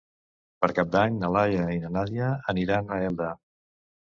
Per Cap d'Any na Laia i na Nàdia aniran a Elda.